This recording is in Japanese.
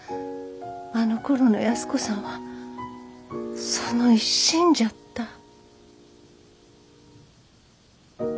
あのころの安子さんはその一心じゃった。